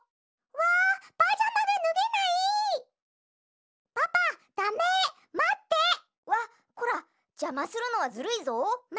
わっこらじゃまするのはずるいぞ！